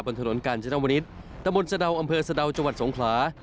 บนถนนกาลเจนาวนิสต์ตะมนต์สเดาอำเภอสเดาจังหวัดสงครา